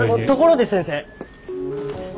ところで先生